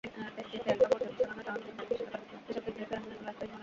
তখন পর্যন্ত কিন্তু ম্যাচটা যেকোনো দিকেই যেতে পারত, একজন গেম চেঞ্জার লাগত।